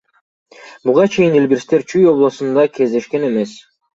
Буга чейин илбирстер Чүй облусунда кездешкен эмес.